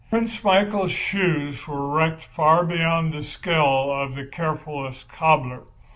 Prince Michael's shoes were wrecked far beyond the skill of the carefullest cobbler.